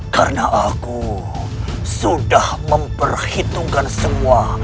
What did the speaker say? karena aku sudah memperhitungkan semua